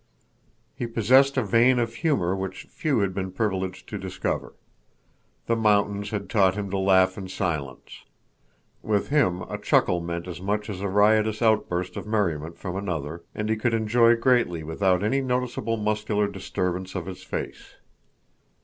He possessed a vein of humor which few had been privileged to discover. The mountains had taught him to laugh in silence. With him a chuckle meant as much as a riotous outburst of merriment from another, and he could enjoy greatly without any noticeable muscular disturbance of his face.